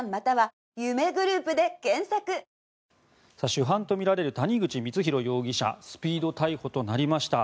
主犯とみられる谷口光弘容疑者スピード逮捕となりました。